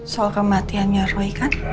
soal kematiannya roy kan